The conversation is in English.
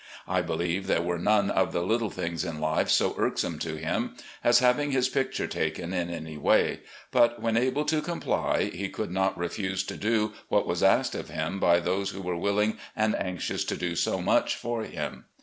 I believe there were none of the little things in Ufe so irksome to him as having his picture taken in any way, but, when able to comply, he could not refuse to do what was asked of him by those who were willing and anxious to do so much for him.